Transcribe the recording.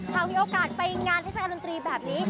เท่าที่โอกาสไปงานเทคการ์ดนตรีแบบนี้